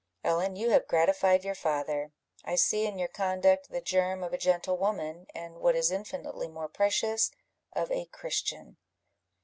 Ellen, you have gratified your father: I see in your conduct the germ of a gentlewoman, and, what is infinitely more precious, of a Christian."